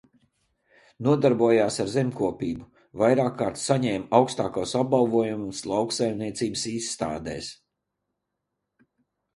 Nodarbojās ar zemkopību, vairākkārt saņēma augstākos apbalvojumus lauksaimniecības izstādēs.